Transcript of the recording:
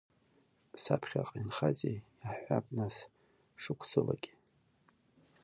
Саԥхьаҟа инхазеи, иаҳҳәап, нас, шықәсылагь?